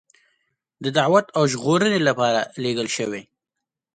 د دعوت او ژغورنې لپاره لېږل شوی.